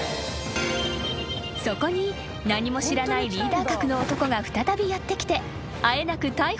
［そこに何も知らないリーダー格の男が再びやって来てあえなく逮捕されてしまったのだ］